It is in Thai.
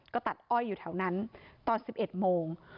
ก็ตัดอ้อยอยู่แถวนั้นตอน๑๑โมง